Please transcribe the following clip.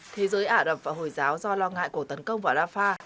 thế giới ả rập và hồi giáo do lo ngại cuộc tấn công vào rafah